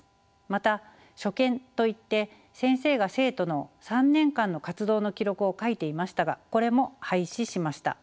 また所見といって先生が生徒の３年間の活動の記録を書いていましたがこれも廃止しました。